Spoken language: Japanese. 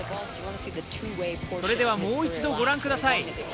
それではもう一度御覧ください。